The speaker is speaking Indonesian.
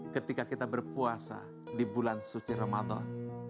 ketika kita berpuasa di bulan suci ramadan